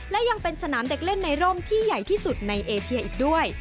และยังเป็นสนามเด็กเล่นในร่มที่ใหญ่ที่สุดในเอเชียอีกด้วย